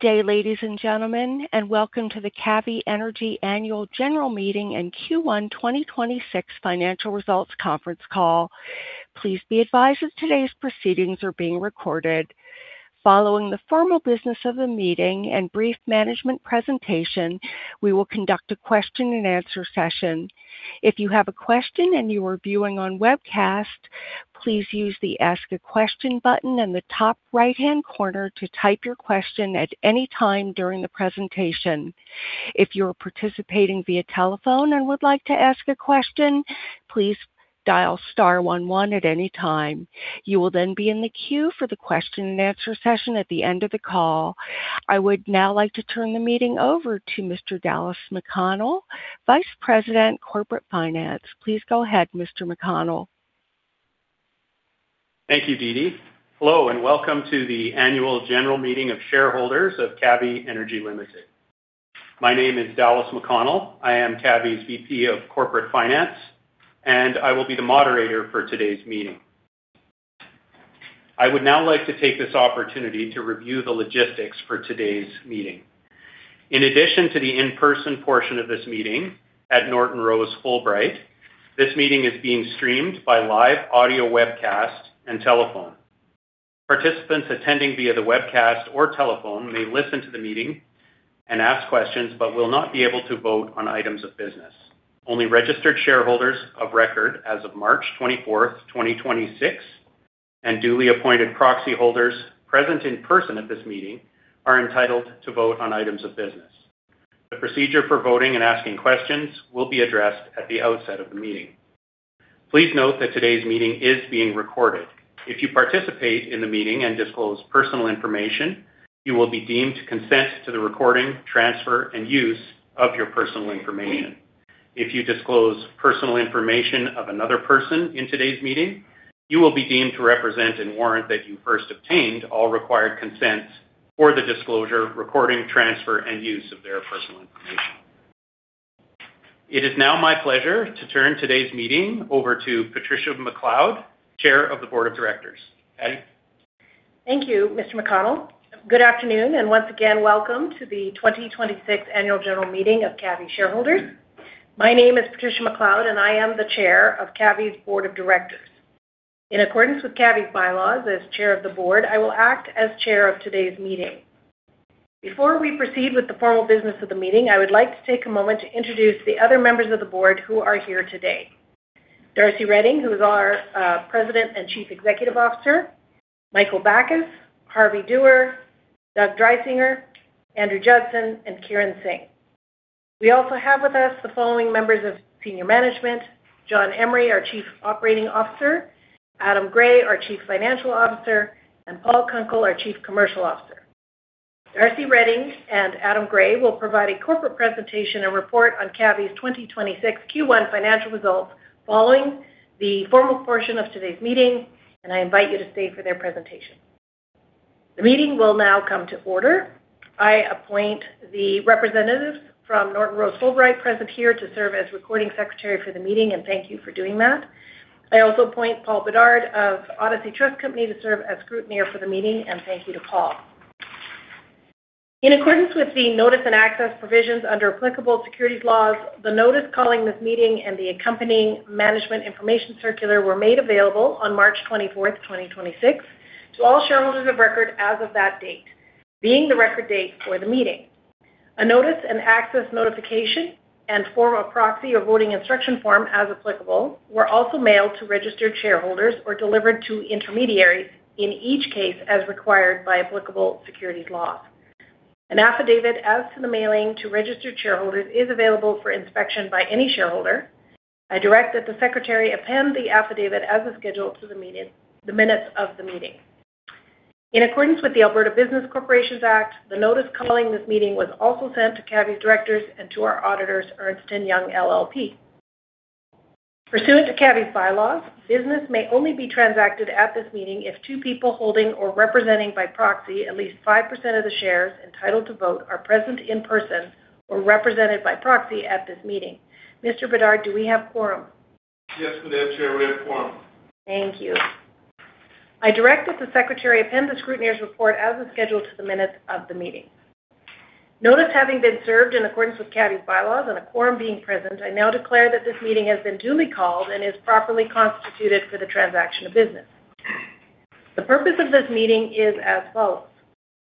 ...day, ladies and gentlemen, welcome to the Cavvy Energy Annual General Meeting and Q1 2026 Financial Results Conference Call. Please be advised that today's proceedings are being recorded. Following the formal business of the meeting and brief management presentation, we will conduct a question and answer session. If you have a question and you are viewing on webcast, please use the Ask a Question button in the top right-hand corner to type your question at any time during the presentation. If you are participating via telephone and would like to ask a question, please dial star one one at any time. You will be in the queue for the question and answer session at the end of the call. I would now like to turn the meeting over to Mr. Dallas McConnell, Vice President, Corporate Finance. Please go ahead, Mr. McConnell. Thank you, Dee Dee. Hello, and welcome to the Annual General Meeting of Shareholders of Cavvy Energy Ltd. My name is Dallas McConnell. I am Cavvy's VP of Corporate Finance, and I will be the moderator for today's meeting. I would now like to take this opportunity to review the logistics for today's meeting. In addition to the in-person portion of this meeting at Norton Rose Fulbright, this meeting is being streamed by live audio webcast and telephone. Participants attending via the webcast or telephone may listen to the meeting and ask questions, but will not be able to vote on items of business. Only registered shareholders of record as of March 24th, 2026, and duly appointed proxy holders present in person at this meeting are entitled to vote on items of business. The procedure for voting and asking questions will be addressed at the outset of the meeting. Please note that today's meeting is being recorded. If you participate in the meeting and disclose personal information, you will be deemed to consent to the recording, transfer, and use of your personal information. If you disclose personal information of another person in today's meeting, you will be deemed to represent and warrant that you first obtained all required consents for the disclosure, recording, transfer, and use of their personal information. It is now my pleasure to turn today's meeting over to Patricia McLeod, Chair of the Board of Directors. Patty. Thank you, Mr. McConnell. Good afternoon, and once again, welcome to the 26th Annual General Meeting of Cavvy shareholders. My name is Patricia McLeod, and I am the Chair of Cavvy's Board of Directors. In accordance with Cavvy's bylaws, as Chair of the Board, I will act as Chair of today's meeting. Before we proceed with the formal business of the meeting, I would like to take a moment to introduce the other members of the board who are here today. Darcy Reding, who is our President and Chief Executive Officer, Michael Backus, Harvey Doerr, Doug Dreisinger, Andrew Judson, and Kiran Singh. We also have with us the following members of senior management, John Emery, our Chief Operating Officer, Adam Gray, our Chief Financial Officer, and Paul Kunkel, our Chief Commercial Officer. Darcy Reding and Adam Gray will provide a corporate presentation and report on Cavvy's 2026 Q1 financial results following the formal portion of today's meeting. I invite you to stay for their presentation. The meeting will now come to order. I appoint the representative from Norton Rose Fulbright present here to serve as recording secretary for the meeting. Thank you for doing that. I also appoint Paul Bedard of Odyssey Trust Company to serve as scrutineer for the meeting. Thank you to Paul. In accordance with the notice and access provisions under applicable securities laws, the notice calling this meeting and the accompanying management information circular were made available on March 24th, 2026 to all shareholders of record as of that date, being the record date for the meeting. A notice, an access notification, and form of proxy or voting instruction form, as applicable, were also mailed to registered shareholders or delivered to intermediaries in each case as required by applicable securities law. An affidavit as to the mailing to registered shareholders is available for inspection by any shareholder. I direct that the secretary append the affidavit as a schedule to the minutes of the meeting. In accordance with the Alberta Business Corporations Act, the notice calling this meeting was also sent to Cavvy's directors and to our auditors, Ernst & Young LLP. Pursuant to Cavvy's bylaws, business may only be transacted at this meeting if two people holding or representing by proxy at least 5% of the shares entitled to vote are present in person or represented by proxy at this meeting. Mr. Bedard, do we have quorum? Yes, we do, Chair. We have quorum. Thank you. I direct that the scrutineer's report be appended as a schedule to the minutes of the meeting. Notice having been served in accordance with Cavvy's bylaws and a quorum being present, I now declare that this meeting has been duly called and is properly constituted for the transaction of business. The purpose of this meeting is as follows: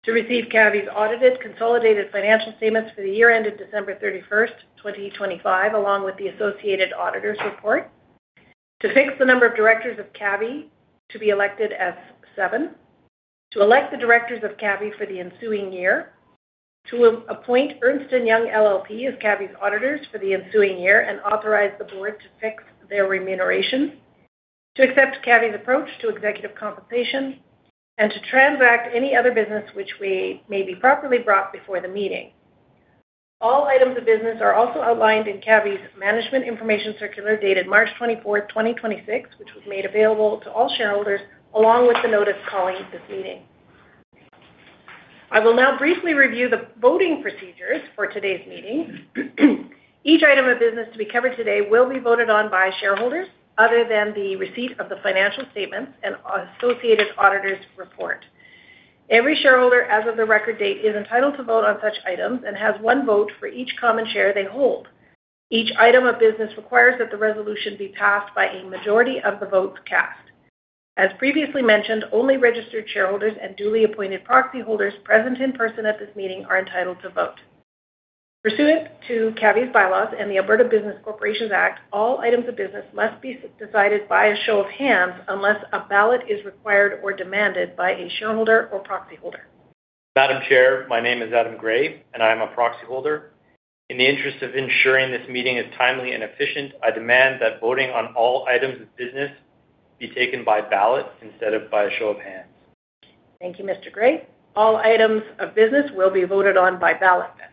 To receive Cavvy's audited consolidated financial statements for the year ended December 31st, 2025, along with the associated auditors' report. To fix the number of directors of Cavvy to be elected as seven. To elect the directors of Cavvy for the ensuing year. To appoint Ernst & Young LLP as Cavvy's auditors for the ensuing year and authorize the board to fix their remuneration. To accept Cavvy's approach to executive compensation. To transact any other business which may be properly brought before the meeting. All items of business are also outlined in Cavvy's Management Information Circular dated March 24, 2026, which was made available to all shareholders along with the notice calling this meeting. I will now briefly review the voting procedures for today's meeting. Each item of business to be covered today will be voted on by shareholders other than the receipt of the financial statements and associated auditor's report. Every shareholder as of the record date is entitled to vote on such items and has one vote for each common share they hold. Each item of business requires that the resolution be passed by a majority of the votes cast. As previously mentioned, only registered shareholders and duly appointed proxy holders present in person at this meeting are entitled to vote. Pursuant to Cavvy bylaws and the Alberta Business Corporations Act, all items of business must be decided by a show of hands unless a ballot is required or demanded by a shareholder or proxy holder. Madam Chair, my name is Adam Gray, and I am a proxy holder. In the interest of ensuring this meeting is timely and efficient, I demand that voting on all items of business be taken by ballot instead of by a show of hands. Thank you, Mr. Gray. All items of business will be voted on by ballot then.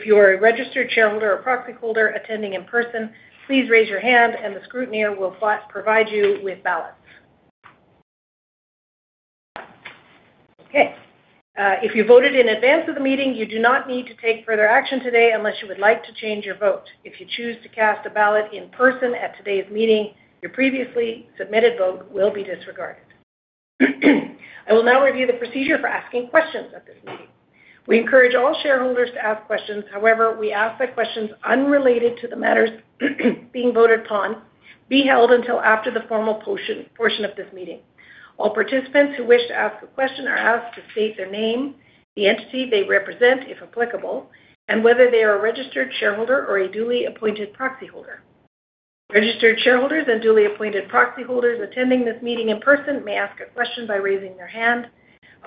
If you are a registered shareholder or proxy holder attending in person, please raise your hand and the scrutineer will provide you with ballots. Okay, if you voted in advance of the meeting, you do not need to take further action today unless you would like to change your vote. If you choose to cast a ballot in person at today's meeting, your previously submitted vote will be disregarded. I will now review the procedure for asking questions at this meeting. We encourage all shareholders to ask questions. We ask that questions unrelated to the matters being voted upon be held until after the formal portion of this meeting. All participants who wish to ask a question are asked to state their name, the entity they represent, if applicable, and whether they are a registered shareholder or a duly appointed proxy holder. Registered shareholders and duly appointed proxy holders attending this meeting in person may ask a question by raising their hand.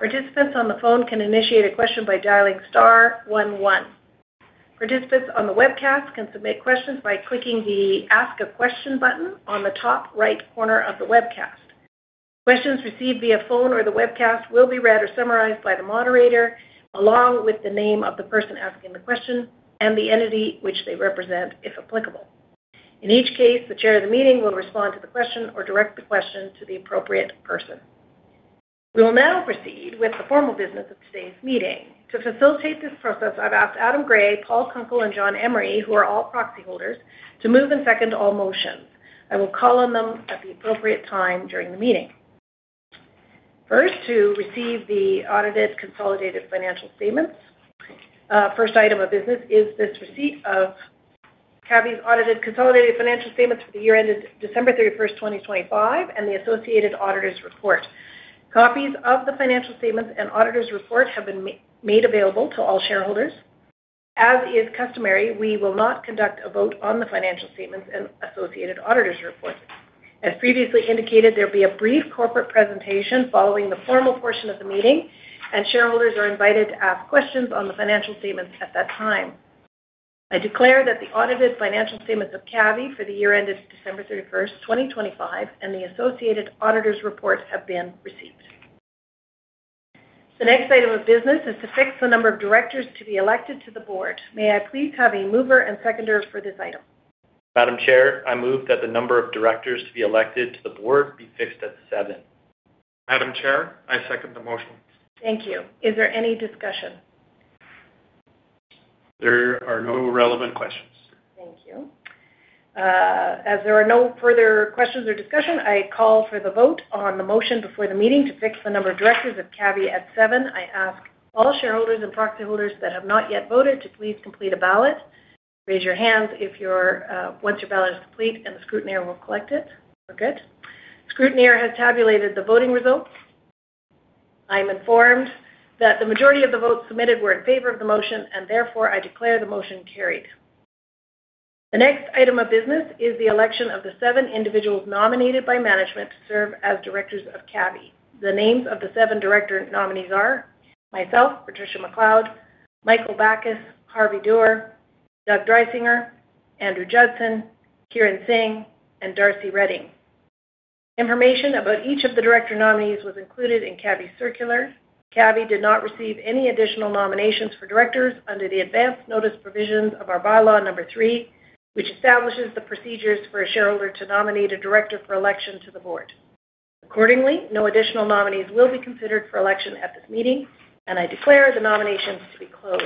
Participants on the phone can initiate a question by dialing star one one. Participants on the webcast can submit questions by clicking the Ask a Question button on the top right corner of the webcast. Questions received via phone or the webcast will be read or summarized by the moderator, along with the name of the person asking the question and the entity which they represent, if applicable. In each case, the chair of the meeting will respond to the question or direct the question to the appropriate person. We will now proceed with the formal business of today's meeting. To facilitate this process, I've asked Adam Gray, Paul Kunkel, and John Emery, who are all proxy holders, to move and second all motions. I will call on them at the appropriate time during the meeting. First, to receive the audited consolidated financial statements. First item of business is this receipt of Cavvy's audited consolidated financial statements for the year ended December 31st, 2025, and the associated auditor's report. Copies of the financial statements and auditor's report have been made available to all shareholders. As is customary, we will not conduct a vote on the financial statements and associated auditor's report. As previously indicated, there will be a brief corporate presentation following the formal portion of the meeting, and shareholders are invited to ask questions on the financial statements at that time. I declare that the audited financial statements of Cavvy for the year ended December 31st, 2025, and the associated auditor's report have been received. The next item of business is to fix the number of directors to be elected to the board. May I please have a mover and seconder for this item? Madam Chair, I move that the number of directors to be elected to the board be fixed at seven. Madam Chair, I second the motion. Thank you. Is there any discussion? There are no relevant questions. Thank you. As there are no further questions or discussion, I call for the vote on the motion before the meeting to fix the number of directors of Cavvy at seven. I ask all shareholders and proxy holders that have not yet voted to please complete a ballot. Raise your hands once your ballot is complete, the scrutineer will collect it. We're good. Scrutineer has tabulated the voting results. I'm informed that the majority of the votes submitted were in favor of the motion, therefore I declare the motion carried. The next item of business is the election of the seven individuals nominated by management to serve as directors of Cavvy. The names of the seven director nominees are myself, Patricia McLeod, Michael Backus, Harvey Doerr, Doug Dreisinger, Andrew Judson, Kiran Singh, and Darcy Reding. Information about each of the director nominees was included in Cavvy circular. Cavvy did not receive any additional nominations for directors under the advanced notice provisions of our bylaw number three, which establishes the procedures for a shareholder to nominate a director for election to the board. Accordingly, no additional nominees will be considered for election at this meeting, and I declare the nominations to be closed.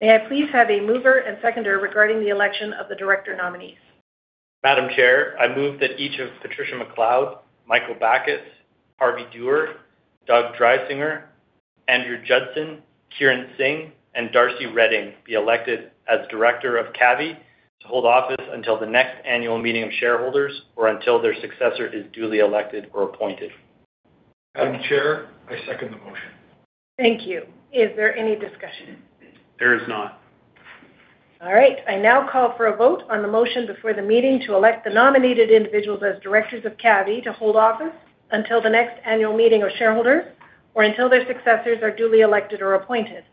May I please have a mover and seconder regarding the election of the director nominees? Madam Chair, I move that each of Patricia McLeod, Michael Backus, Harvey Doerr, Doug Dreisinger, Andrew Judson, Kiran Singh, and Darcy Reding be elected as director of Cavvy to hold office until the next annual meeting of shareholders or until their successor is duly elected or appointed. Madam Chair, I second the motion. Thank you. Is there any discussion? There is not. All right. I now call for a vote on the motion before the meeting to elect the nominated individuals as directors of Cavvy to hold office until the next annual meeting of shareholders or until their successors are duly elected or appointed.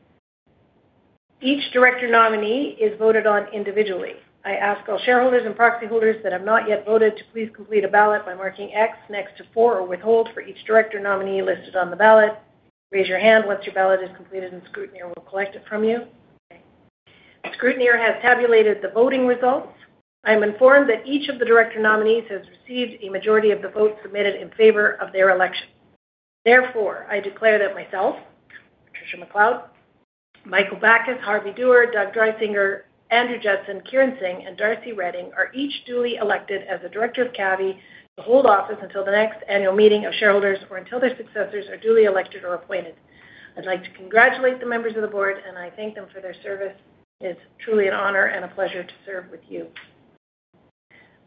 Each director nominee is voted on individually. I ask all shareholders and proxy holders that have not yet voted to please complete a ballot by marking X next to 4 or withhold for each director nominee listed on the ballot. Raise your hand once your ballot is completed, and Scrutineer will collect it from you. Scrutineer has tabulated the voting results. I am informed that each of the director nominees has received a majority of the votes submitted in favor of their election. Therefore, I declare that myself, Patricia McLeod, Michael Backus, Harvey Doerr, Doug Dreisinger, Andrew Judson, Kiran Singh, and Darcy Reding are each duly elected as a director of Cavvy to hold office until the next annual meeting of shareholders or until their successors are duly elected or appointed. I'd like to congratulate the members of the board, and I thank them for their service. It's truly an honor and a pleasure to serve with you.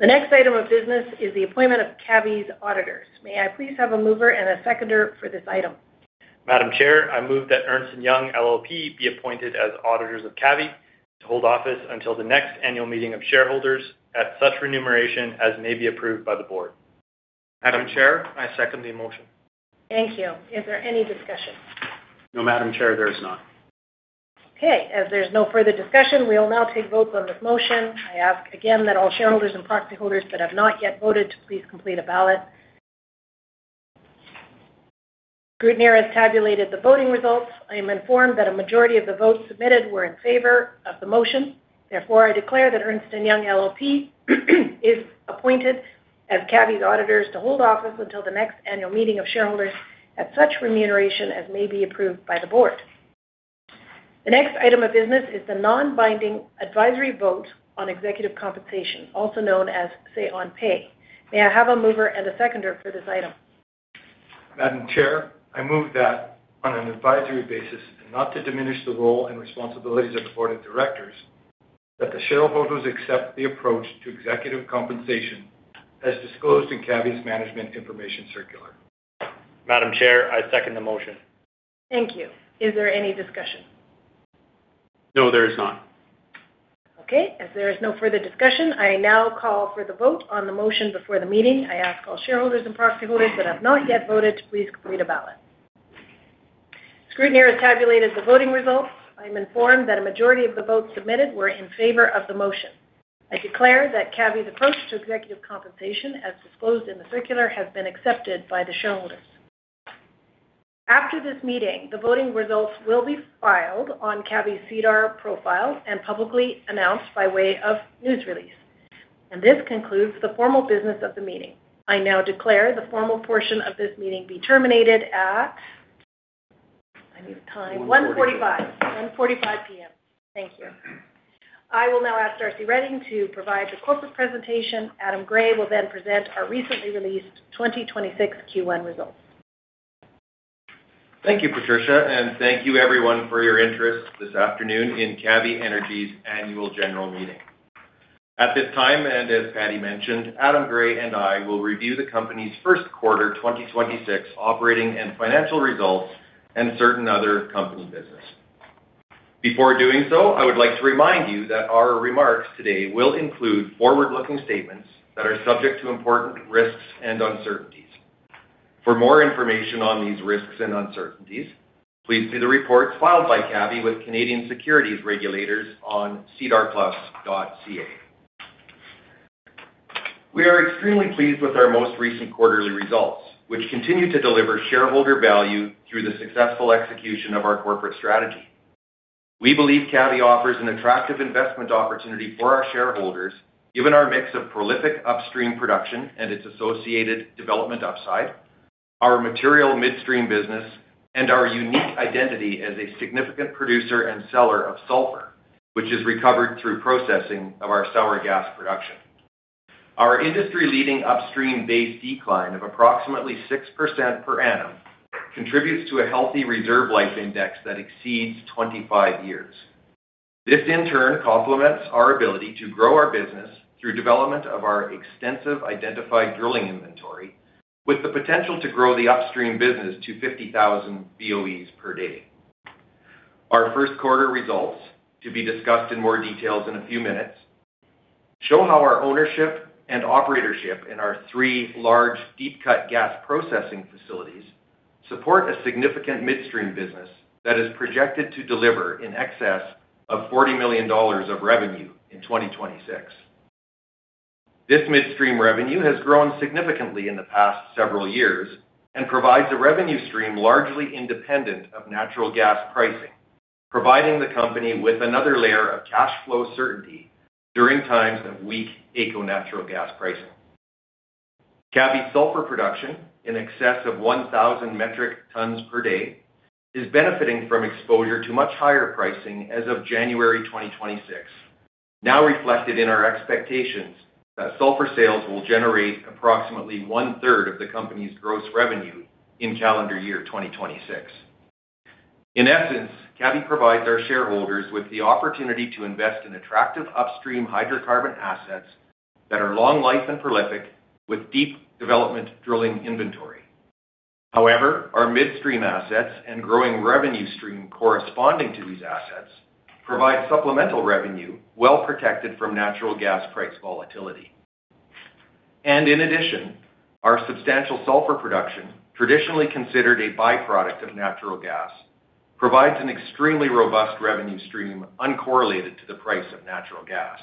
The next item of business is the appointment of Cavvy's auditors. May I please have a mover and a seconder for this item? Madam Chair, I move that Ernst & Young LLP be appointed as auditors of Cavvy to hold office until the next annual meeting of shareholders at such remuneration as may be approved by the board. Madam Chair, I second the motion. Thank you. Is there any discussion? No, Madam Chair, there is not. Okay. As there's no further discussion, we will now take vote on this motion. I ask again that all shareholders and proxy holders that have not yet voted to please complete a ballot. Scrutineer has tabulated the voting results. I am informed that a majority of the votes submitted were in favor of the motion. Therefore, I declare that Ernst & Young LLP is appointed as Cavvy's auditors to hold office until the next annual meeting of shareholders at such remuneration as may be approved by the board. The next item of business is the non-binding advisory vote on executive compensation, also known as say on pay. May I have a mover and a seconder for this item? Madam Chair, I move that on an advisory basis and not to diminish the role and responsibilities of the board of directors, that the shareholders accept the approach to executive compensation as disclosed in Cavvy's management information circular. Madam Chair, I second the motion. Thank you. Is there any discussion? No, there is not. Okay. As there is no further discussion, I now call for the vote on the motion before the meeting. I ask all shareholders and proxy holders that have not yet voted to please complete a ballot. Scrutineer has tabulated the voting results. I am informed that a majority of the votes submitted were in favor of the motion. I declare that Cavvy's approach to executive compensation, as disclosed in the circular, has been accepted by the shareholders. This concludes the formal business of the meeting. I now declare the formal portion of this meeting be terminated at. I need the time. 1:45. 1:45 P.M. Thank you. I will now ask Darcy Reding to provide the corporate presentation. Adam Gray will then present our recently released 2026 Q1 results. Thank you, Patricia, thank you everyone for your interest this afternoon in Cavvy Energy's annual general meeting. At this time, and as Patty mentioned, Adam Gray and I will review the company's first quarter 2026 operating and financial results and certain other company business. Before doing so, I would like to remind you that our remarks today will include forward-looking statements that are subject to important risks and uncertainties. For more information on these risks and uncertainties, please see the reports filed by Cavvy with Canadian Securities Regulators on sedarplus.ca. We are extremely pleased with our most recent quarterly results, which continue to deliver shareholder value through the successful execution of our corporate strategy. We believe Cavvy offers an attractive investment opportunity for our shareholders, given our mix of prolific upstream production and its associated development upside, our material midstream business, and our unique identity as a significant producer and seller of sulfur, which is recovered through processing of our sour gas production. Our industry-leading upstream base decline of approximately 6% per annum contributes to a healthy reserve life index that exceeds 25 years. This in turn complements our ability to grow our business through development of our extensive identified drilling inventory with the potential to grow the upstream business to 50,000 BOEs per day. Our first quarter results, to be discussed in more details in a few minutes, show how our ownership and operatorship in our three large deep cut gas processing facilities support a significant midstream business that is projected to deliver in excess of 40 million dollars of revenue in 2026. This midstream revenue has grown significantly in the past several years and provides a revenue stream largely independent of natural gas pricing, providing the company with another layer of cash flow certainty during times of weak AECO natural gas pricing. Cavvy sulfur production in excess of 1,000 metric tons per day is benefiting from exposure to much higher pricing as of January 2026, now reflected in our expectations that sulfur sales will generate approximately one-third of the company's gross revenue in calendar year 2026. In essence, Cavvy provides our shareholders with the opportunity to invest in attractive upstream hydrocarbon assets that are long life and prolific with deep development drilling inventory. However, our midstream assets and growing revenue stream corresponding to these assets provide supplemental revenue well protected from natural gas price volatility. In addition, our substantial sulfur production, traditionally considered a byproduct of natural gas, provides an extremely robust revenue stream uncorrelated to the price of natural gas.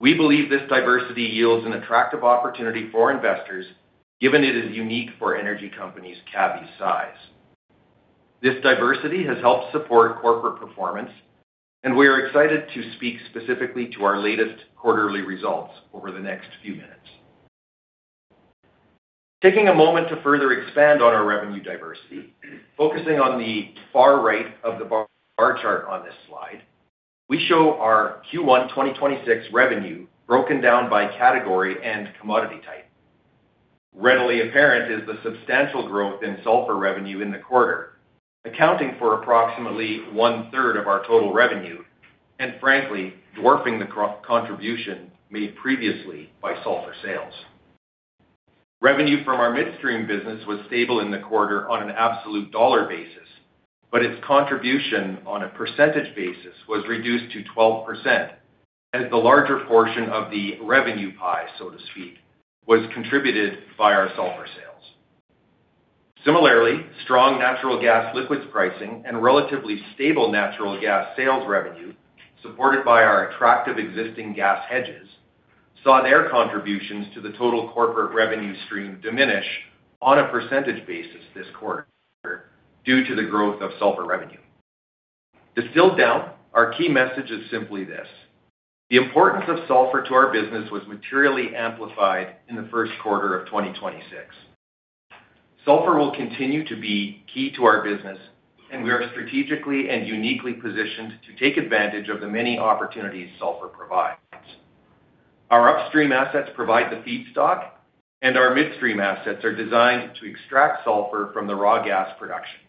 We believe this diversity yields an attractive opportunity for investors, given it is unique for energy companies Cavvy's size. This diversity has helped support corporate performance, and we are excited to speak specifically to our latest quarterly results over the next few minutes. Taking a moment to further expand on our revenue diversity, focusing on the far right of the bar chart on this slide, we show our Q1 2026 revenue broken down by category and commodity type. Readily apparent is the substantial growth in sulfur revenue in the quarter, accounting for approximately 1/3 of our total revenue and frankly, dwarfing the contribution made previously by sulfur sales. Revenue from our midstream business was stable in the quarter on an absolute dollar basis, but its contribution on a percentage basis was reduced to 12% as the larger portion of the revenue pie, so to speak, was contributed by our sulfur sales. Similarly, strong natural gas liquids pricing and relatively stable natural gas sales revenue, supported by our attractive existing gas hedges, saw their contributions to the total corporate revenue stream diminish on a percentage basis this quarter due to the growth of sulfur revenue. Distilled down, our key message is simply this: the importance of sulfur to our business was materially amplified in the first quarter of 2026. Sulfur will continue to be key to our business, and we are strategically and uniquely positioned to take advantage of the many opportunities sulfur provides. Our upstream assets provide the feedstock, and our midstream assets are designed to extract sulfur from the raw gas production.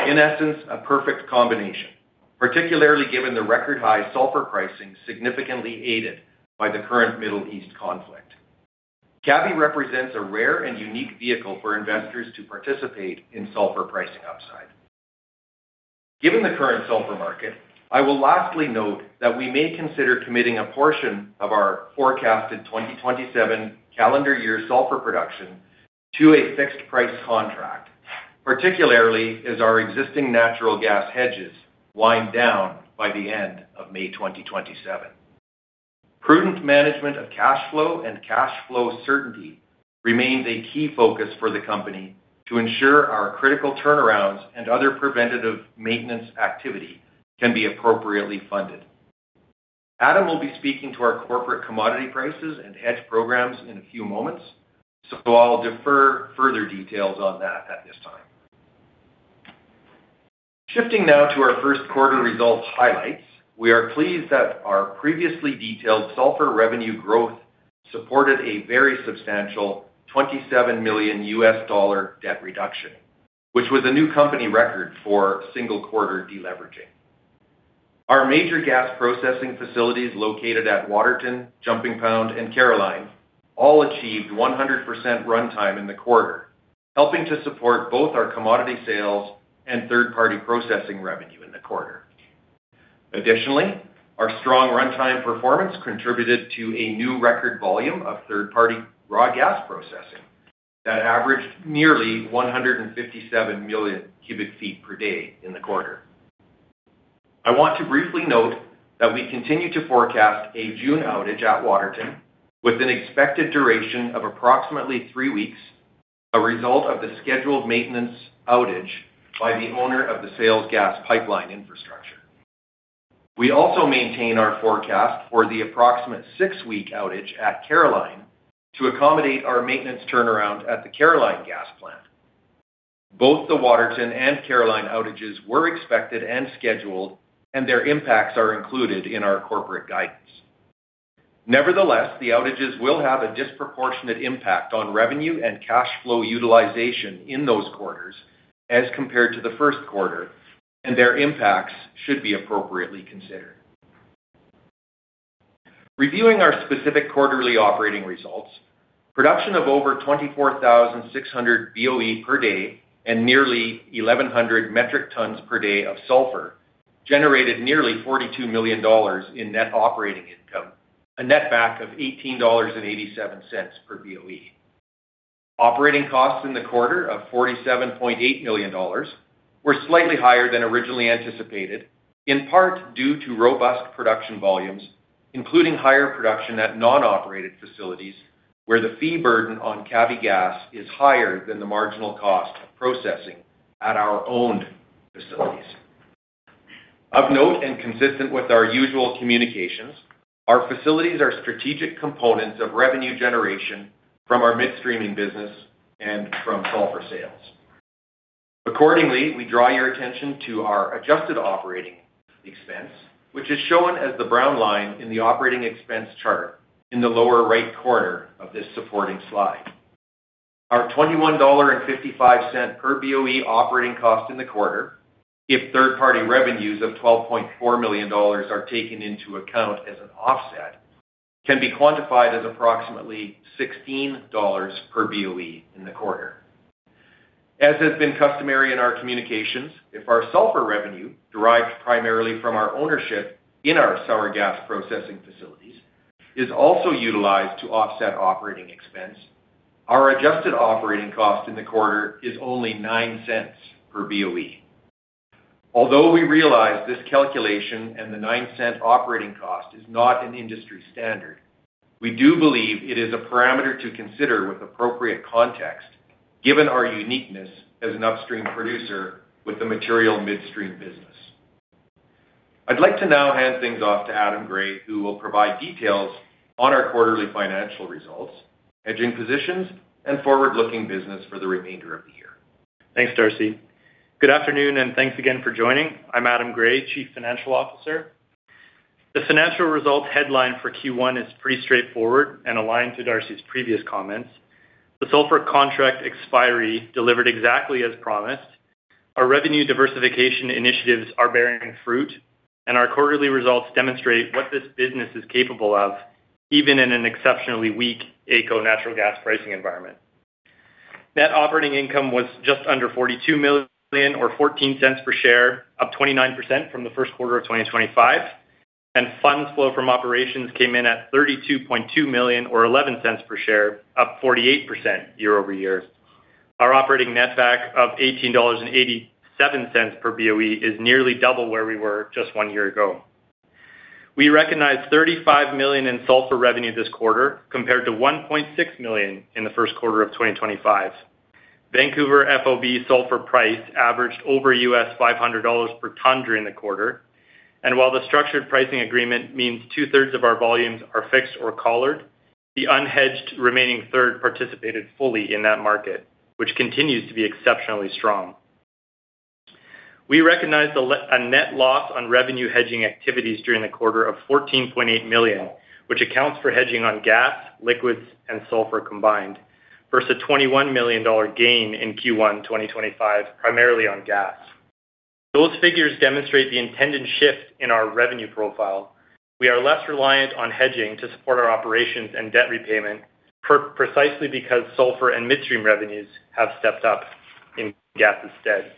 In essence, a perfect combination, particularly given the record high sulfur pricing, significantly aided by the current Middle East conflict. Cavvy represents a rare and unique vehicle for investors to participate in sulfur pricing upside. Given the current sulfur market, I will lastly note that we may consider committing a portion of our forecasted 2027 calendar year sulfur production to a fixed price contract, particularly as our existing natural gas hedges wind down by the end of May 2027. Prudent management of cash flow and cash flow certainty remains a key focus for the company to ensure our critical turnarounds and other preventative maintenance activity can be appropriately funded. Adam will be speaking to our corporate commodity prices and hedge programs in a few moments, so I'll defer further details on that at this time. Shifting now to our first quarter results highlights. We are pleased that our previously detailed sulfur revenue growth supported a very substantial $27 million debt reduction, which was a new company record for single quarter deleveraging. Our major gas processing facilities located at Waterton, Jumping Pound, and Caroline all achieved 100% runtime in the quarter, helping to support both our commodity sales and third-party processing revenue in the quarter. Additionally, our strong runtime performance contributed to a new record volume of third-party raw gas processing that averaged nearly 157 million cu ft per day in the quarter. I want to briefly note that we continue to forecast a June outage at Waterton with an expected duration of approximately three weeks, a result of the scheduled maintenance outage by the owner of the sales gas pipeline infrastructure. We also maintain our forecast for the approximate six-week outage at Caroline to accommodate our maintenance turnaround at the Caroline Gas Plant. Both the Waterton and Caroline outages were expected and scheduled, and their impacts are included in our corporate guidance. The outages will have a disproportionate impact on revenue and cash flow utilization in those quarters as compared to the first quarter, and their impacts should be appropriately considered. Reviewing our specific quarterly operating results. Production of over 24,600 BOE per day and nearly 1,100 metric tons per day of sulfur generated nearly 42 million dollars in net operating income, a netback of 18.87 dollars per BOE. Operating costs in the quarter of 47.8 million dollars were slightly higher than originally anticipated, in part due to robust production volumes, including higher production at non-operated facilities, where the fee burden on Cavvy gas is higher than the marginal cost of processing at our owned facilities. Of note and consistent with our usual communications, our facilities are strategic components of revenue generation from our midstreaming business and from sulfur sales. Accordingly, we draw your attention to our adjusted operating expense, which is shown as the brown line in the operating expense chart in the lower right corner of this supporting slide. Our 21.55 dollar per BOE operating cost in the quarter, if third-party revenues of 12.4 million dollars are taken into account as an offset, can be quantified as approximately 16 dollars per BOE in the quarter. As has been customary in our communications, if our sulfur revenue, derived primarily from our ownership in our sour gas processing facilities, is also utilized to offset operating expense, our adjusted operating cost in the quarter is only 0.09 per BOE. Although we realize this calculation and the 0.09 operating cost is not an industry standard, we do believe it is a parameter to consider with appropriate context, given our uniqueness as an upstream producer with the material midstream business. I'd like to now hand things off to Adam Gray, who will provide details on our quarterly financial results, hedging positions, and forward-looking business for the remainder of the year. Thanks, Darcy. Good afternoon, thanks again for joining. I'm Adam Gray, Chief Financial Officer. The financial results headline for Q1 is pretty straightforward and aligned to Darcy's previous comments. The sulfur contract expiry delivered exactly as promised. Our revenue diversification initiatives are bearing fruit, our quarterly results demonstrate what this business is capable of, even in an exceptionally weak AECO natural gas pricing environment. Net operating income was just under 42 million or 0.14 per share, up 29% from the first quarter of 2025. Funds flow from operations came in at 32.2 million or 0.11 per share, up 48% year-over-year. Our operating netback of 18.87 dollars per BOE is nearly double where we were just one year ago. We recognized 35 million in sulfur revenue this quarter compared to 1.6 million in the first quarter of 2025. Vancouver FOB sulfur price averaged over $500 per ton during the quarter. While the structured pricing agreement means two-thirds of our volumes are fixed or collared, the unhedged remaining third participated fully in that market, which continues to be exceptionally strong. We recognized a net loss on revenue hedging activities during the quarter of CAD 14.8 million, which accounts for hedging on gas, liquids, and sulfur combined, versus a CAD 21 million gain in Q1 2025, primarily on gas. Those figures demonstrate the intended shift in our revenue profile. We are less reliant on hedging to support our operations and debt repayment precisely because sulfur and midstream revenues have stepped up in gas instead.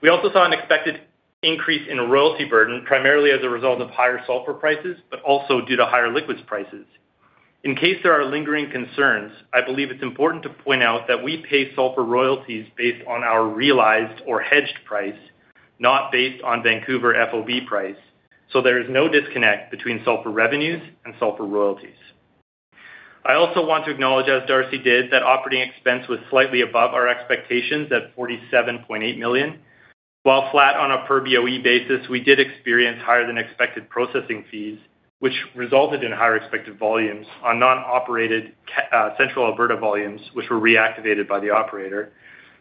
We also saw an expected increase in royalty burden, primarily as a result of higher sulfur prices, also due to higher liquids prices. In case there are lingering concerns, I believe it's important to point out that we pay sulfur royalties based on our realized or hedged price, not based on Vancouver FOB price. There is no disconnect between sulfur revenues and sulfur royalties. I also want to acknowledge, as Darcy did, that operating expense was slightly above our expectations at 47.8 million. While flat on a per BOE basis, we did experience higher than expected processing fees, which resulted in higher expected volumes on non-operated Central Alberta volumes, which were reactivated by the operator,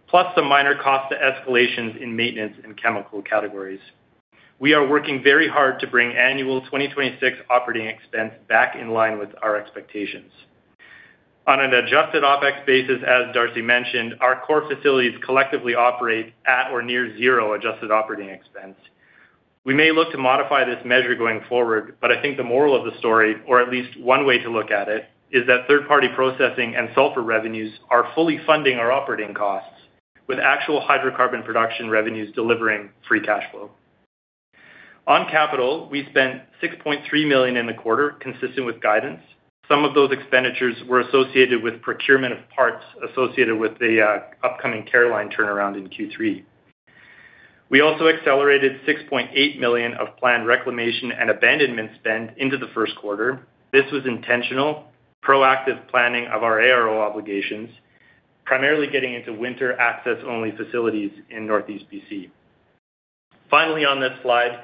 plus some minor cost to escalations in maintenance and chemical categories. We are working very hard to bring annual 2026 operating expense back in line with our expectations. On an adjusted OpEx basis, as Darcy mentioned, our core facilities collectively operate at or near zero adjusted operating expense. I think the moral of the story, or at least one way to look at it, is that third-party processing and sulfur revenues are fully funding our operating costs with actual hydrocarbon production revenues delivering free cash flow. On capital, we spent 6.3 million in the quarter, consistent with guidance. Some of those expenditures were associated with procurement of parts associated with the upcoming Caroline turnaround in Q3. We also accelerated 6.8 million of planned reclamation and abandonment spend into the first quarter. This was intentional, proactive planning of our ARO obligations, primarily getting into winter access-only facilities in Northeast B.C. Finally, on this slide,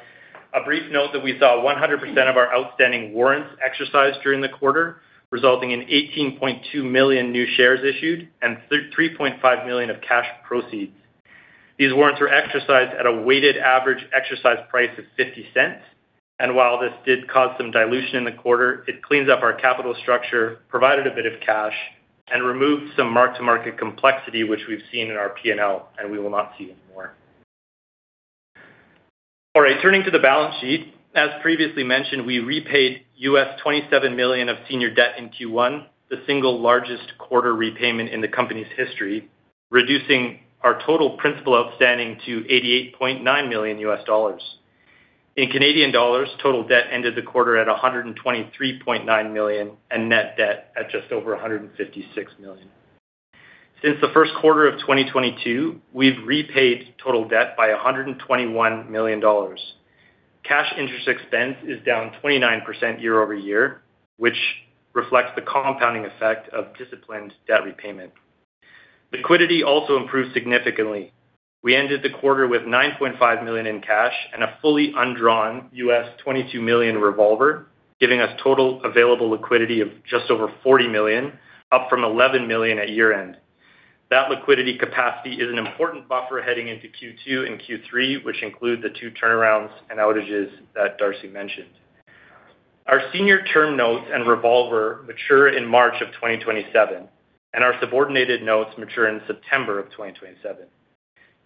a brief note that we saw 100% of our outstanding warrants exercised during the quarter, resulting in 18.2 million new shares issued and 3.5 million of cash proceeds. These warrants were exercised at a weighted average exercise price of 0.50. While this did cause some dilution in the quarter, it cleans up our capital structure, provided a bit of cash, and removed some mark-to-market complexity, which we've seen in our P&L, and we will not see anymore. All right, turning to the balance sheet. As previously mentioned, we repaid $27 million of senior debt in Q1, the single largest quarter repayment in the company's history, reducing our total principal outstanding to $88.9 million. In Canadian dollars, total debt ended the quarter at 123.9 million and net debt at just over 156 million. Since the first quarter of 2022, we've repaid total debt by 121 million dollars. Cash interest expense is down 29% year-over-year, which reflects the compounding effect of disciplined debt repayment. Liquidity also improved significantly. We ended the quarter with 9.5 million in cash and a fully undrawn $22 million revolver, giving us total available liquidity of just over 40 million, up from 11 million at year-end. That liquidity capacity is an important buffer heading into Q2 and Q3, which include the two turnarounds and outages that Darcy mentioned. Our senior term notes and revolver mature in March of 2027, and our subordinated notes mature in September of 2027.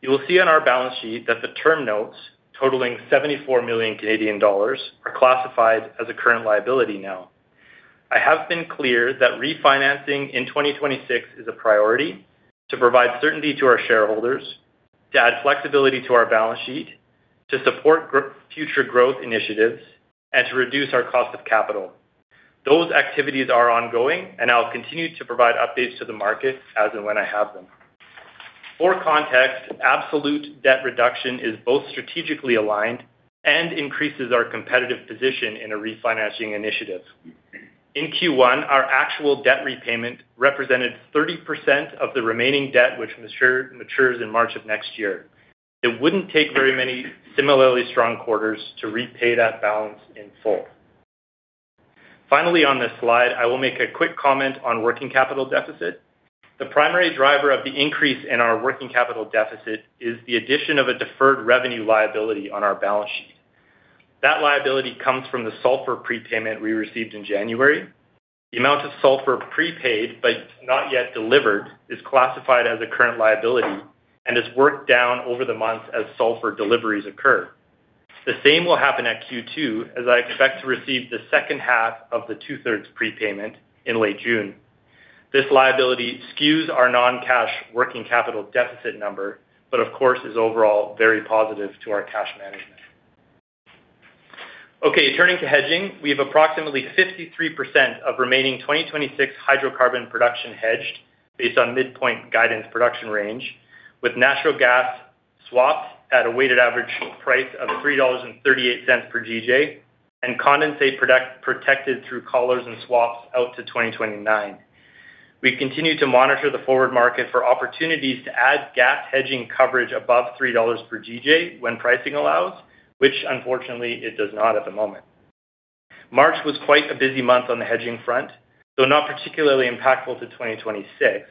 You will see on our balance sheet that the term notes totaling 74 million Canadian dollars are classified as a current liability now. I have been clear that refinancing in 2026 is a priority to provide certainty to our shareholders, to add flexibility to our balance sheet, to support future growth initiatives, and to reduce our cost of capital. Those activities are ongoing, and I'll continue to provide updates to the market as and when I have them. For context, absolute debt reduction is both strategically aligned and increases our competitive position in a refinancing initiative. In Q1, our actual debt repayment represented 30% of the remaining debt, which matures in March of next year. It wouldn't take very many similarly strong quarters to repay that balance in full. Finally, on this slide, I will make a quick comment on working capital deficit. The primary driver of the increase in our working capital deficit is the addition of a deferred revenue liability on our balance sheet. That liability comes from the sulfur prepayment we received in January. The amount of sulfur prepaid, but not yet delivered, is classified as a current liability and is worked down over the months as sulfur deliveries occur. The same will happen at Q2, as I expect to receive the second half of the two-thirds prepayment in late June. This liability skews our non-cash working capital deficit number, but of course, is overall very positive to our cash management. Okay, turning to hedging. We have approximately 53% of remaining 2026 hydrocarbon production hedged based on midpoint guidance production range, with natural gas swaps at a weighted average price of 3.38 dollars per GJ, and condensate product protected through collars and swaps out to 2029. We continue to monitor the forward market for opportunities to add gas hedging coverage above 3 dollars per GJ when pricing allows, which unfortunately it does not at the moment. March was quite a busy month on the hedging front, though not particularly impactful to 2026.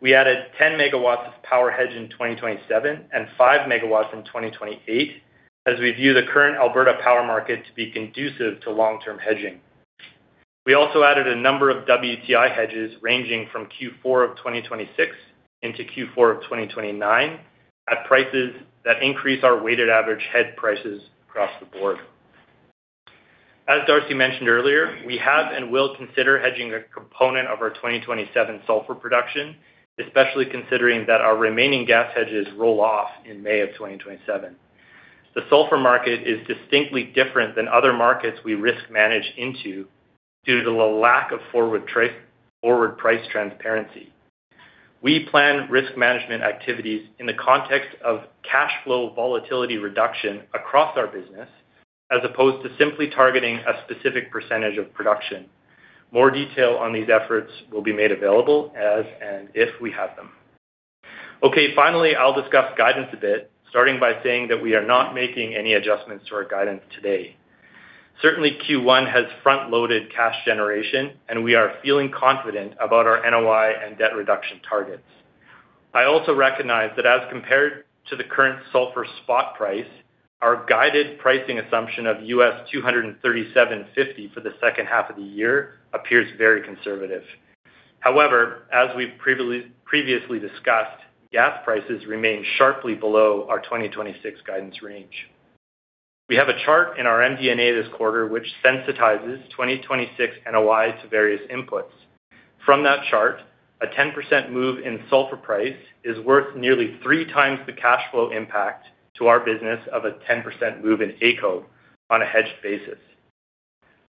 We added 10MW of power hedge in 2027 and 5MW in 2028, as we view the current Alberta power market to be conducive to long-term hedging. We also added a number of WTI hedges ranging from Q4 of 2026 into Q4 of 2029 at prices that increase our weighted average hedge prices across the board. As Darcy mentioned earlier, we have and will consider hedging a component of our 2027 sulfur production, especially considering that our remaining gas hedges roll off in May of 2027. The sulfur market is distinctly different than other markets we risk manage into due to the lack of forward price transparency. We plan risk management activities in the context of cash flow volatility reduction across our business, as opposed to simply targeting a specific percentage of production. More detail on these efforts will be made available as and if we have them. Okay. Finally, I'll discuss guidance a bit, starting by saying that we are not making any adjustments to our guidance today. Certainly, Q1 has front-loaded cash generation, and we are feeling confident about our NOI and debt reduction targets. I also recognize that as compared to the current sulfur spot price, our guided pricing assumption of $237.50 for the second half of the year appears very conservative. As we've previously discussed, gas prices remain sharply below our 2026 guidance range. We have a chart in our MD&A this quarter, which sensitizes 2026 NOI to various inputs. From that chart, a 10% move in sulfur price is worth nearly three times the cash flow impact to our business of a 10% move in AECO on a hedged basis.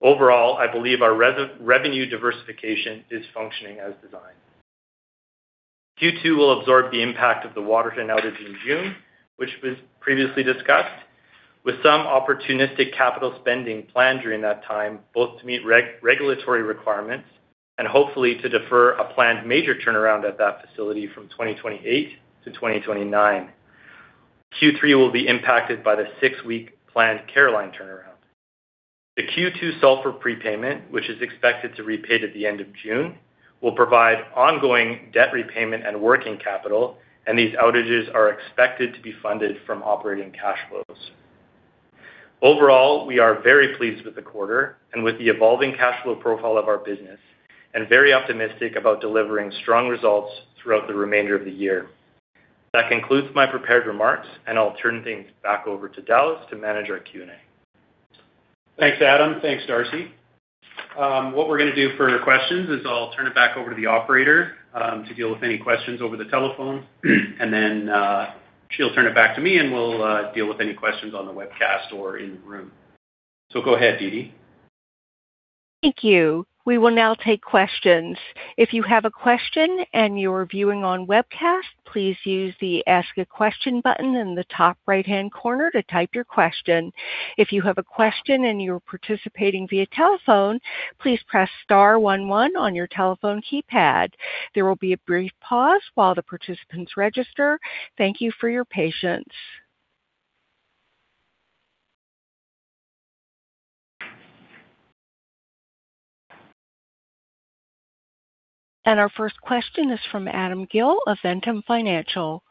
I believe our revenue diversification is functioning as designed. Q2 will absorb the impact of the Waterton outage in June, which was previously discussed with some opportunistic capital spending planned during that time, both to meet re-regulatory requirements and hopefully to defer a planned major turnaround at that facility from 2028 to 2029. Q3 will be impacted by the six-week planned Caroline turnaround. The Q2 sulfur prepayment, which is expected to repay to the end of June, will provide ongoing debt repayment and working capital. These outages are expected to be funded from operating cash flows. Overall, we are very pleased with the quarter and with the evolving cash flow profile of our business, and very optimistic about delivering strong results throughout the remainder of the year. That concludes my prepared remarks. I'll turn things back over to Dallas to manage our Q&A. Thanks, Adam. Thanks, Darcy. What we're gonna do for questions is I'll turn it back over to the operator to deal with any questions over the telephone. She'll turn it back to me, and we'll deal with any questions on the webcast or in room. Go ahead, Dee Dee. Thank you. We will now take questions. If you have a question and you are viewing on webcast, please use the Ask a Question button in the top right-hand corner to type your question. If you have a question and you're participating via telephone, please press star one one on your telephone keypad. There will be a brief pause while the participants register. Thank you for your patience. Our first question is from Adam Gill of Ventum Financial.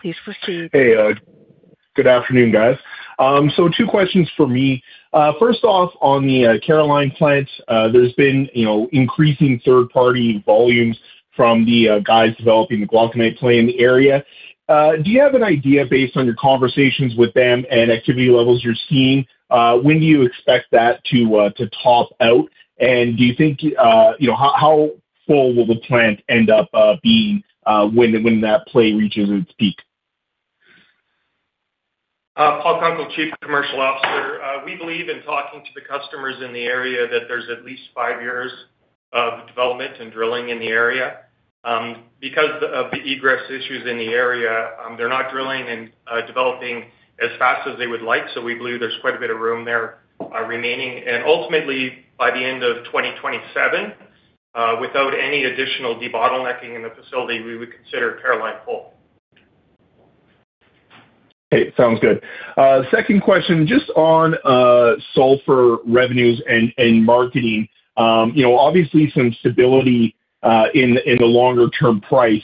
Please proceed. Hey, good afternoon, guys. Two questions for me. First off, on the Caroline plant, there's been, you know, increasing third-party volumes from the guys developing the glauconite play in the area. Do you have an idea based on your conversations with them and activity levels you're seeing, when do you expect that to top out? Do you think, you know, how full will the plant end up being when that play reaches its peak? Paul Kunkel, Chief Commercial Officer. We believe in talking to the customers in the area that there's at least five years of development and drilling in the area. Because of the egress issues in the area, they're not drilling and developing as fast as they would like, so we believe there's quite a bit of room there remaining. Ultimately, by the end of 2027, without any additional debottlenecking in the facility, we would consider Caroline full. Okay. Sounds good. second question, just on, sulfur revenues and marketing. you know, obviously some stability, in the longer-term price,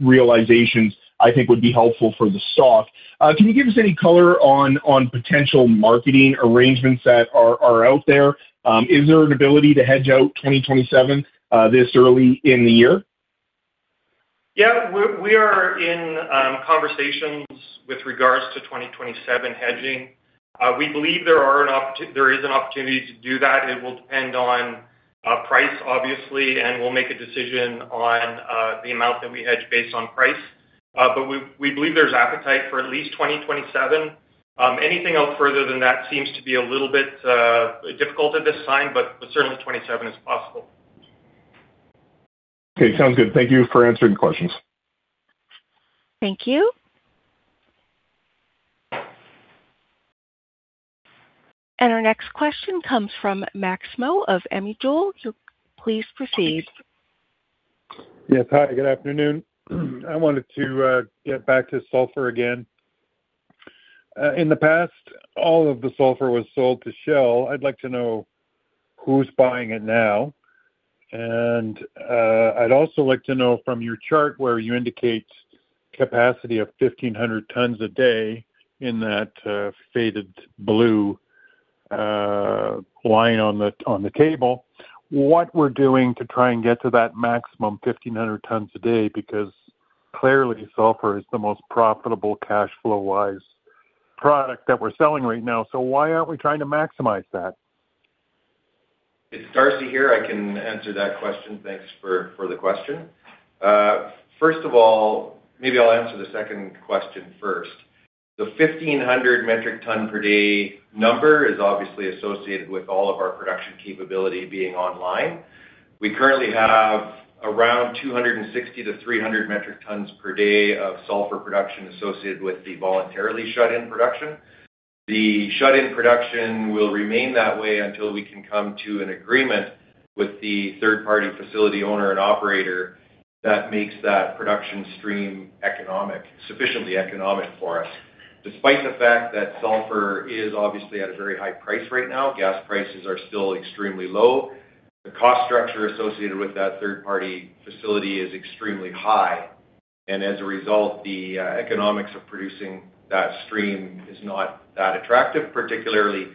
realizations, I think would be helpful for the stock. can you give us any color on potential marketing arrangements that are out there? is there an ability to hedge out 2027, this early in the year? We are in conversations with regards to 2027 hedging. We believe there is an opportunity to do that. It will depend on price, obviously, and we'll make a decision on the amount that we hedge based on price. We believe there's appetite for at least 2027. Anything else further than that seems to be a little bit difficult at this time, but certainly 27 is possible. Okay. Sounds good. Thank you for answering questions. Thank you. Our next question comes from Maximo of Emigel. Please proceed. Yes. Hi, good afternoon. I wanted to get back to sulfur again. In the past, all of the sulfur was sold to Shell. I'd like to know who's buying it now. I'd also like to know from your chart where you indicate capacity of 1,500 tons a day in that faded blue line on the table, what we're doing to try and get to that maximum 1,500 tons a day, because clearly, sulfur is the most profitable cash flow-wise product that we're selling right now. Why aren't we trying to maximize that. It's Darcy here. I can answer that question. Thanks for the question. First of all, maybe I'll answer the second question first. The 1,500 metric tons per day number is obviously associated with all of our production capability being online. We currently have around 260 to 300 metric tons per day of sulfur production associated with the voluntarily shut-in production. The shut-in production will remain that way until we can come to an agreement with the third-party facility owner and operator that makes that production stream economic, sufficiently economic for us. Despite the fact that sulfur is obviously at a very high price right now, gas prices are still extremely low. The cost structure associated with that third party facility is extremely high, as a result, the economics of producing that stream is not that attractive, particularly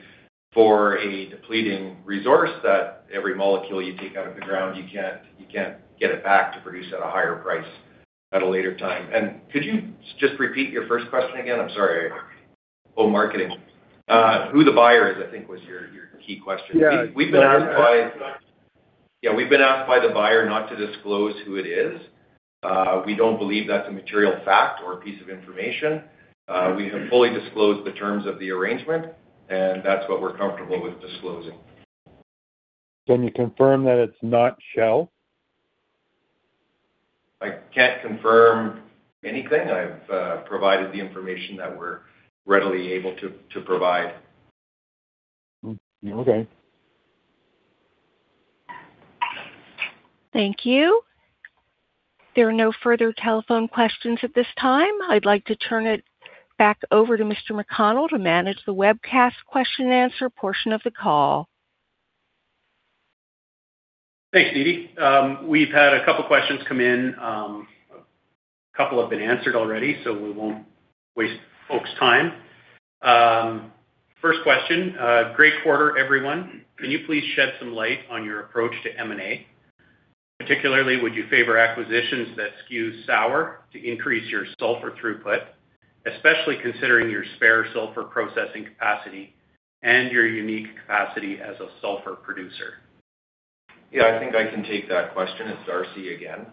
for a depleting resource that every molecule you take out of the ground, you can't get it back to produce at a higher price at a later time. Could you just repeat your first question again? I'm sorry. Oh, marketing. Who the buyer is, I think was your key question. Yeah. We've been asked by the buyer not to disclose who it is. We don't believe that's a material fact or a piece of information. We have fully disclosed the terms of the arrangement, that's what we're comfortable with disclosing. Can you confirm that it's not Shell? I can't confirm anything. I've provided the information that we're readily able to provide. Okay. Thank you. There are no further telephone questions at this time. I'd like to turn it back over to Mr. McConnell to manage the webcast question and answer portion of the call. Thanks, Dee Dee. We've had a couple questions come in. A couple have been answered already, so we won't waste folks' time. First question. Great quarter, everyone. Can you please shed some light on your approach to M&A? Particularly, would you favor acquisitions that skew sour to increase your sulfur throughput, especially considering your spare sulfur processing capacity and your unique capacity as a sulfur producer? Yeah, I think I can take that question. It's Darcy again.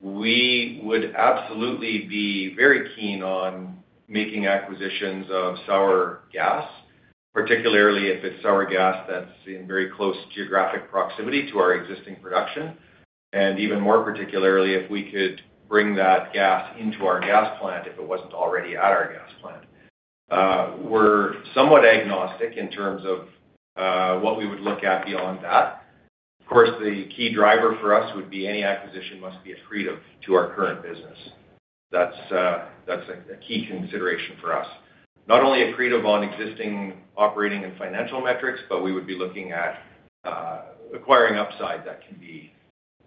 We would absolutely be very keen on making acquisitions of sour gas, particularly if it's sour gas that's in very close geographic proximity to our existing production. Even more particularly if we could bring that gas into our gas plant, if it wasn't already at our gas plant. We're somewhat agnostic in terms of what we would look at beyond that. Of course, the key driver for us would be any acquisition must be accretive to our current business. That's a key consideration for us. Not only accretive on existing operating and financial metrics, but we would be looking at acquiring upside that can be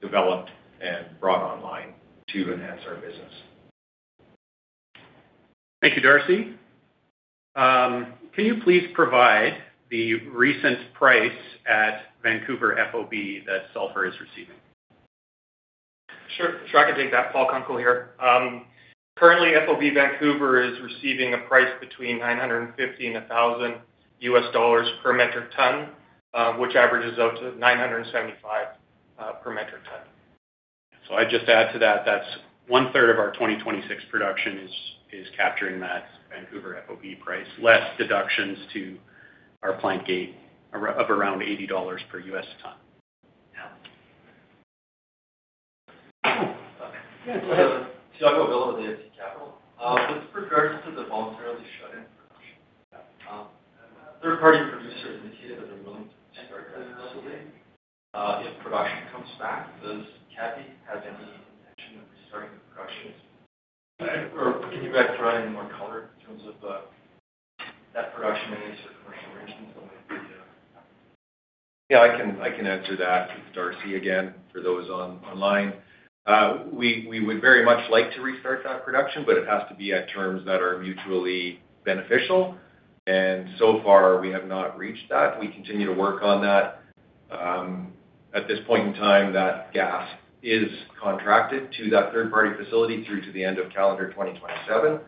developed and brought online to enhance our business. Thank you, Darcy. Can you please provide the recent price at Vancouver FOB that sulfur is receiving? Sure. Sure, I can take that. Paul Kunkel here. Currently, FOB Vancouver is receiving a price between $950 and $1,000 per metric ton, which averages out to $975. I'd just add to that's one third of our 2026 production is capturing that Vancouver FOB price, less deductions to our plant gate ARO of around $80 per ton. Yeah. [Tiago Villa with AFP Capital]. With regards to the voluntarily shut-in production, third party producer indicated that they're willing to restart that facility. If production comes back, does Cavvy have any intention of restarting the production? Can you guys provide any more color in terms of that production and any sort of commercial arrangements that might be. Yeah, I can answer that. It's Darcy again, for those online. We would very much like to restart that production. It has to be at terms that are mutually beneficial. So far, we have not reached that. We continue to work on that. At this point in time, that gas is contracted to that third party facility through to the end of calendar 2027.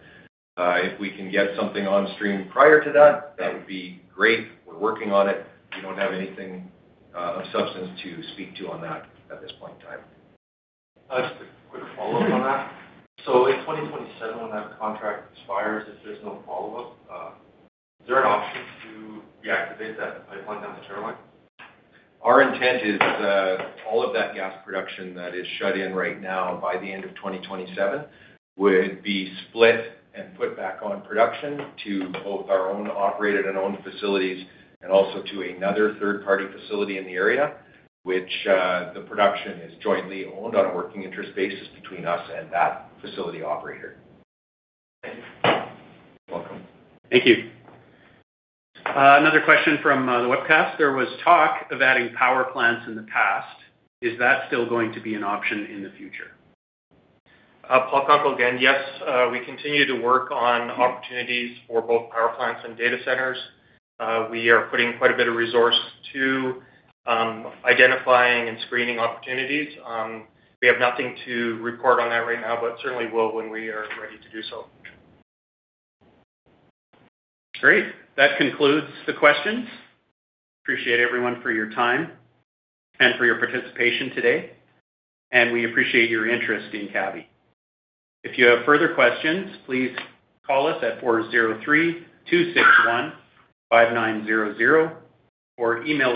If we can get something on stream prior to that would be great. We're working on it. We don't have anything of substance to speak to on that at this point in time. Just a quick follow-up on that. In 2027, when that contract expires, if there's no follow-up, is there an option to reactivate that pipeline down the shoreline? Our intent is, all of that gas production that is shut in right now by the end of 2027 would be split and put back on production to both our own operated and owned facilities and also to another third party facility in the area, which, the production is jointly owned on a working interest basis between us and that facility operator. Thank you. You're welcome. Thank you. Another question from the webcast. There was talk of adding power plants in the past. Is that still going to be an option in the future? Paul Kunkel again. Yes, we continue to work on opportunities for both power plants and data centers. We are putting quite a bit of resource to identifying and screening opportunities. We have nothing to report on that right now, certainly will when we are ready to do so. Great. That concludes the questions. Appreciate everyone for your time and for your participation today, we appreciate your interest in Cavvy. If you have further questions, please call us at 403-261-5900.